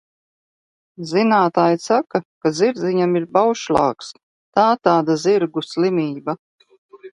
Zinātāji saka, ka zirdziņam ir baušlāgs tā tāda zirgu slimība.